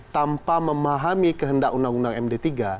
tanpa memahami kehendak undang undang md tiga